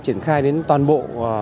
để triển khai đến toàn bộ